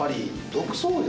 独創力。